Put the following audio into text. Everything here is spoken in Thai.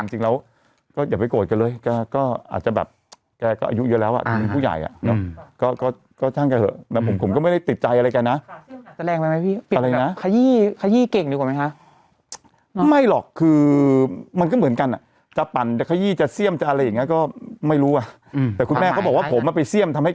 จริงจริงแล้วก็อย่าไปโกหกันเลย